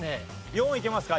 ４いけますか？